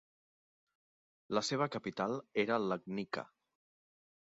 La seva capital era Legnica.